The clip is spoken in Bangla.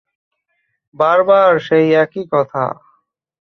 বার বার সেই এক কথা।